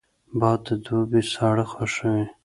باد د دوبي ساړه خوښوي